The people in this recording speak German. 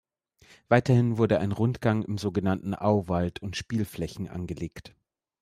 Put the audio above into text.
Weiterhin wurden ein Rundgang im sogenannten Auwald und Spielflächen angelegt.